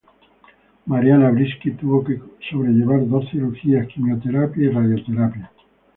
Mariana Briski tuvo que sobrellevar dos cirugías, quimioterapia y radioterapia.